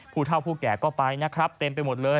ผู้เท่าผู้แก่ก็ไปนะครับเต็มไปหมดเลย